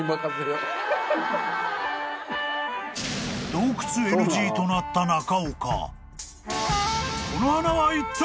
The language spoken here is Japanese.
［洞窟ＮＧとなった中岡］